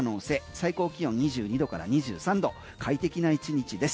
最高気温２２度から２３度快適な１日です。